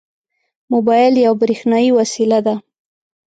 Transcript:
موبایل یوه برېښنایي وسیله ده.